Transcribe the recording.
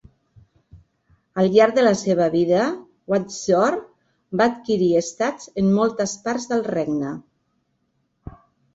Al llarg de la seva vida, Wyndsore va adquirir estats en moltes partes del regne.